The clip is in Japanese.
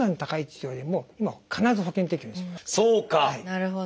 なるほど！